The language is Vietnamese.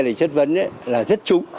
để chất vấn là rất trúng